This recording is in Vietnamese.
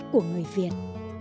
của người việt